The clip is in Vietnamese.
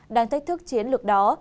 đang thách thức chiến lược đó